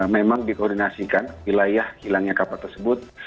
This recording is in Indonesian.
memang dikoordinasikan wilayah hilangnya kapal tersebut